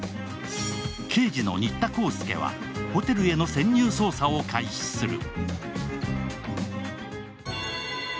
刑事の新田浩介は、ホテルへの潜入捜査を開始する。